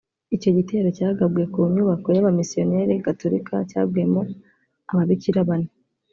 Icyo gitero cyagabwe ku nyubako y’abamisiyoneri gatolika cyaguyemo ababikira bane